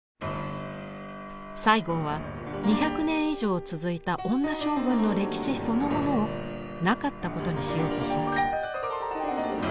西郷は２００年以上続いた女将軍の歴史そのものをなかったことにしようとします。